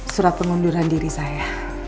surat pengunduran diri saya